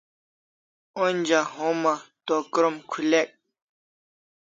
Onja homa to krom khulek